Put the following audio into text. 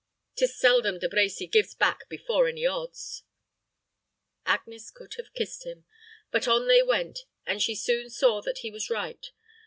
'Tis seldom De Brecy gives back before any odds." Agnes could have kissed him; but on they went, and she soon saw that he was right.